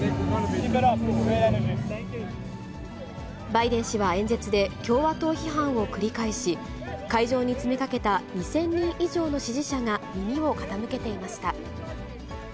バイデン氏は演説で、共和党批判を繰り返し、会場に詰めかけた２０００人以上の支持者が耳を傾けていました。